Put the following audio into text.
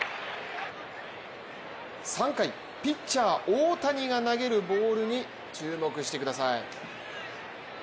３回、ピッチャー・大谷が投げるボールに注目してください。